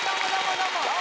どうも！